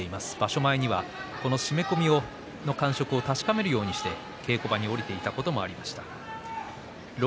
場所前にはこの締め込みの感触を確かめるようにして稽古場に下りていたこともありました。